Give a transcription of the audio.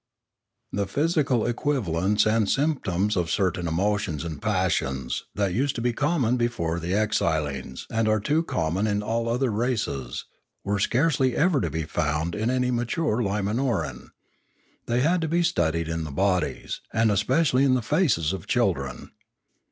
The physical equivalents and symptoms of certain emotions and passions, that used to be common before the exilings and are too common in all other races, 574 Limanora were scarcely ever to be found in any mature Lima noran; they had to be studied in the bodies, and espe cially in the faces, of children.